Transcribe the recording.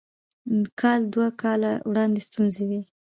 کال دوه کاله وړاندې ستونزې وې.